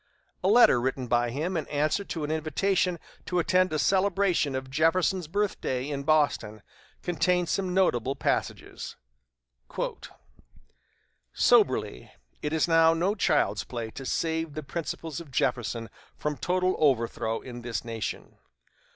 A letter written by him in answer to an invitation to attend a celebration of Jefferson's birthday in Boston, contains some notable passages: "Soberly, it is now no child's play to save the principles of Jefferson from total overthrow in this nation.